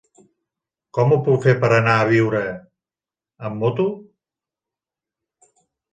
Com ho puc fer per anar a Biure amb moto?